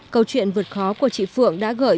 câu chuyện vượt khó của chị phượng đã gửi